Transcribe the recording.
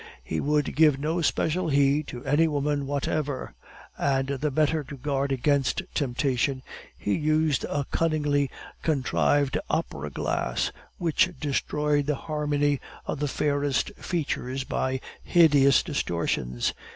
He would give no special heed to any woman whatever; and the better to guard against temptation, he used a cunningly contrived opera glass which destroyed the harmony of the fairest features by hideous distortions.